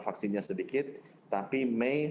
vaksinnya sedikit tapi mei